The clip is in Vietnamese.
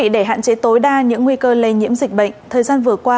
để hạn chế tối đa những nguy cơ lây nhiễm dịch bệnh thời gian vừa qua